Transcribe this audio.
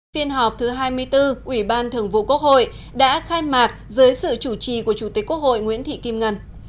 phiên họp thứ hai mươi bốn ủy ban thường vụ quốc hội đã khai mạc dưới sự chủ trì của chủ tịch quốc hội nguyễn thị kim ngân